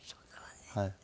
はい。